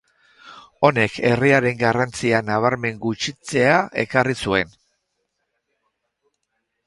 Honek herriaren garrantzia nabarmen gutxitzea ekarri zuen.